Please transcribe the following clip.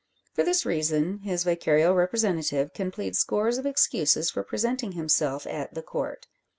For this reason his vicarial representative can plead scores of excuses for presenting himself at "The Court."